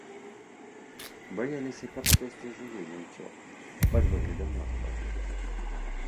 Баяліся, каб хтосьці жывы ня ўцёк пад выглядам мёртвага.